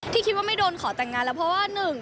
ที่คิดว่าไม่โดนขอแต่งงานแล้วเพราะว่าหนึ่ง